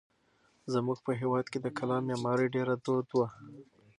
زموږ په هېواد کې د کلا معمارۍ ډېره دود وه.